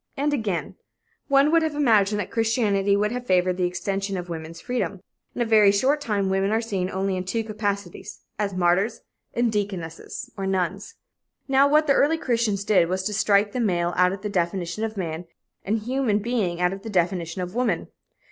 And again: "One would have imagined that Christianity would have favored the extension of woman's freedom. In a very short time women are seen only in two capacities as martyrs and deaconesses (or nuns). Now what the early Christians did was to strike the male out of the definition of man, and human being out of the definition of woman.